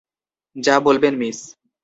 যা বলবেন, মিস!